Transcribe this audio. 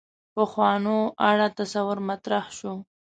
پخوانو اړه تصور مطرح شو.